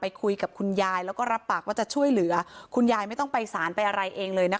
คุยกับคุณยายแล้วก็รับปากว่าจะช่วยเหลือคุณยายไม่ต้องไปสารไปอะไรเองเลยนะคะ